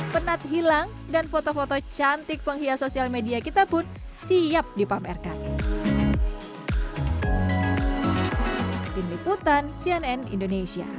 penat hilang dan foto foto cantik penghias sosial media kita pun siap dipamerkan